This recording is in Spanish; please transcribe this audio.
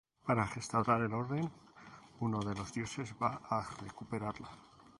Para restaurar el orden, uno de los dioses va a recuperarla.